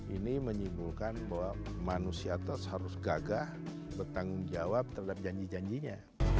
ini menyimpulkan bahwa manusia terus harus gagah bertanggung jawab terhadap janji janjinya